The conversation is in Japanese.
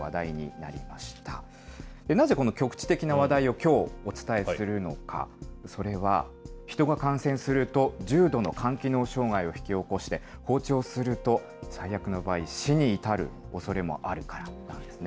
なぜこの局地的な話題をきょう、お伝えするのか、それは、人が感染すると、重度の肝機能障害を引き起こして、膨張すると、最悪の場合、死に至るおそれもあるからなんですね。